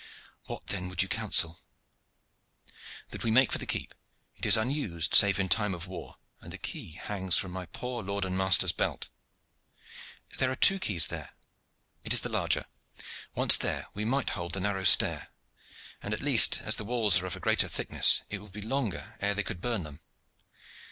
"What, then, would you counsel?" "That we make for the keep. It is unused, save in time of war, and the key hangs from my poor lord and master's belt." "There are two keys there." "It is the larger. Once there, we might hold the narrow stair; and at least, as the walls are of a greater thickness, it would be longer ere they could burn them.